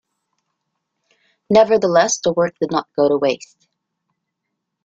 Nevertheless the work did not go to waste.